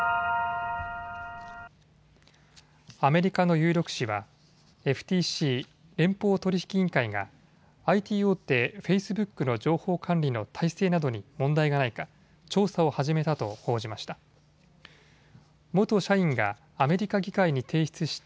アメリカの有力紙はＦＴＣ・連邦取引委員会がＩＴ大手、フェイスブックの情報管理の体制などに問題がないか調査を始めたと報じました。